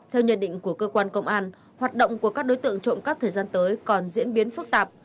theo nhận định của cơ quan công an hoạt động của các đối tượng trộm cắp thời gian tới còn diễn biến phức tạp